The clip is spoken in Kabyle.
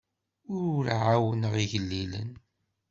Ur ɛawnen igellilen.